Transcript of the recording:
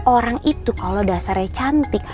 orang itu kalau dasarnya cantik